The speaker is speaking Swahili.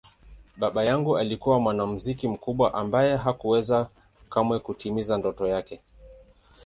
Baba yangu alikuwa mwanamuziki mkubwa ambaye hakuweza kamwe kutimiza ndoto yake.